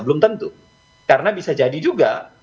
belum tentu karena bisa jadi juga